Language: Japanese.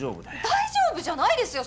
大丈夫じゃないですよ！